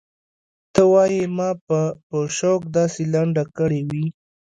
ته وايې ما به په شوق داسې لنډه کړې وي.